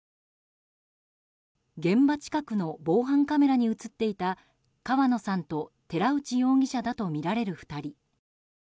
現場近くの防犯カメラに映っていた川野さんと寺内容疑者だとみられる２人。